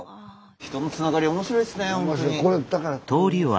人のつながり面白いですね